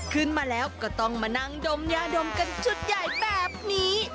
ขึ้นมาแล้วก็ต้องมานั่งดมยาดมกันชุดใหญ่แบบนี้